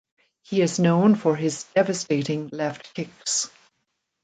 He is known for his devastating left kicks.